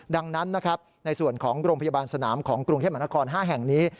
ดังนั้นนะครับในส่วนของโรงพยาบาลสนามของกรุงเทพมหานคร๕แห่งนี้